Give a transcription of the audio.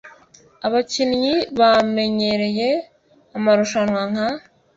Abakinnyi bamenyereye amarushanwa nka